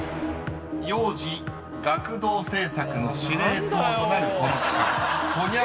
［幼児・学童政策の司令塔となるこの機関ホニャララ庁］